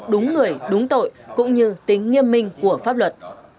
đúng người đúng tội cũng như tính nghiêm minh của pháp luật